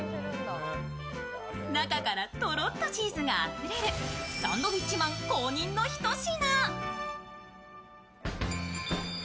中からとろっとチーズがあふれるサンドウィッチマン公認のひと品。